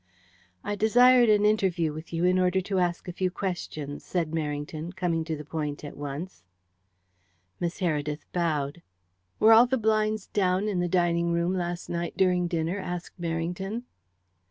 "I desired an interview with you in order to ask a few questions," said Merrington, coming to the point at once. Miss Heredith bowed. "Were all the blinds down in the dining room last night during dinner?" asked Merrington.